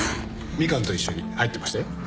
ミカンと一緒に入ってましたよ。